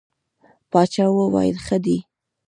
باچا وویل ښه دی.